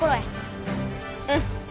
うん！